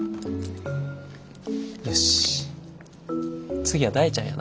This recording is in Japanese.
よし次は大ちゃんやな。